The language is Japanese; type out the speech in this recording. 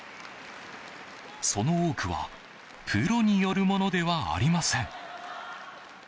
その多くはプロによるものではありません。